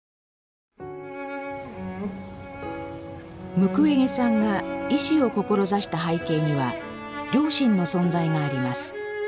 ムクウェゲさんが医師を志した背景には両親の存在があります。